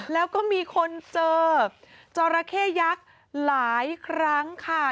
แล้วก็มีคนเจอจอราเข้ยักษ์หลายครั้งค่ะ